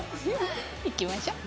行きましょう。